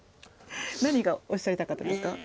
何がおっしゃりたかったですか？